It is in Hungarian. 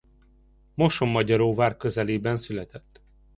Mosonmagyaróvár közelében született.